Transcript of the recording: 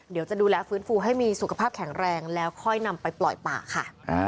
เดี๋ยวจะดูแลฟื้นฟูให้มีสุขภาพแข็งแรงแล้วค่อยนำไปปล่อยป่าค่ะ